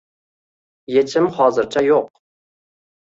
Yechim hozircha yoʻq.